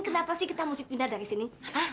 kenapa sih kita mesti pindah dari sini